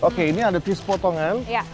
oke ini ada tis potongan